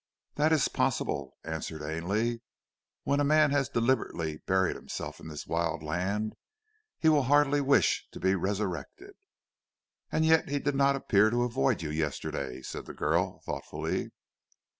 "That is possible," answered Ainley. "When a man has deliberately buried himself in this wild land he will hardly wish to be resurrected." "And yet he did not appear to avoid you yesterday?" said the girl thoughtfully.